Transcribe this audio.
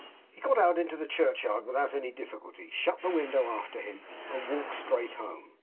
He got out into the churchyard without any difficulty; shut the window after him; and walked straight home.